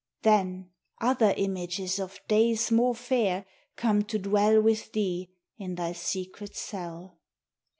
Then other images Of days more fair Come to dwell with thee In thy secret cell.